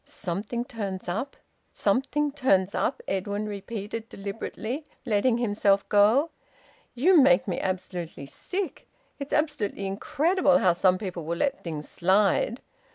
"`Something turns up,' `something turns up!'" Edwin repeated deliberately, letting himself go. "You make me absolutely sick! It's absolutely incredible how some people will let things slide!